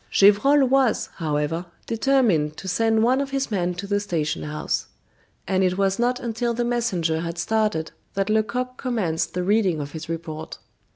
Gevrol was, however, determined to send one of his men to the station house; and it was not until the messenger had started that Lecoq commenced the reading of his report.